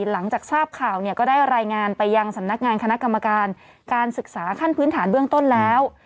หลังจากทราบข่าวเนี่ยก็ได้รายงานไปยังสำนักงานคณะกรรมการการศึกษาขั้นพื้นฐานเบื้องต้นแล้ว